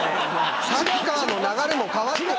サッカーの流れも変わって。